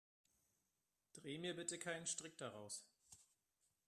Dreh mir bitte keinen Strick daraus.